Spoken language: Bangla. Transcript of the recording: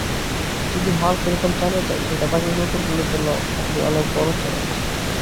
যদি হাল্ক এরকম চালিয়ে যায়, সেটা বাকি কুকুরগুলোর জন্য হবে অনেক বড় চ্যালেঞ্জ।